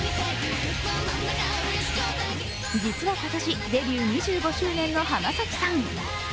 実は今年、デビュー２５周年の浜崎さん。